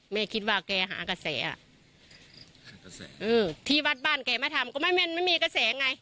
แม่คิดว่าแกหากระแสเออที่วัดบ้านแกไม่ทำก็ไม่ไม่มีกระแสไง